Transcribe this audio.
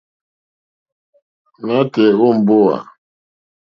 Nǎtɛ̀ɛ̀ nǒ mbówà.